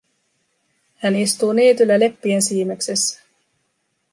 Hän istuu niityllä leppien siimeksessä.